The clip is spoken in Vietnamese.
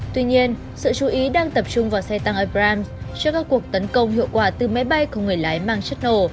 tuy nhiên sự chú ý đang tập trung vào xe tăng ibran cho các cuộc tấn công hiệu quả từ máy bay không người lái mang chất nổ